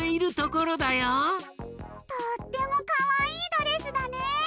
とってもかわいいドレスだね！